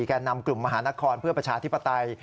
แก่นำกลุ่มมหานครเพื่อประชาธิปไตย